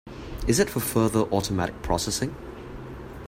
Is it for further automatic processing?